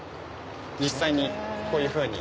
実際にこういうふうに。